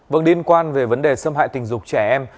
vâng liên quan về vấn đề xâm hại tình dục trẻ em